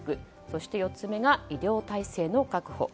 そして４つ目が医療体制の確保。